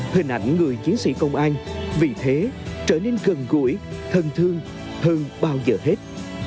hình ảnh người chiến sĩ công an vì thế trở nên gần gũi thân thương hơn bao giờ hết